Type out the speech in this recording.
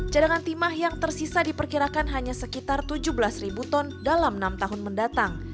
cadangan timah yang tersisa diperkirakan hanya sekitar tujuh belas ribu ton dalam enam tahun mendatang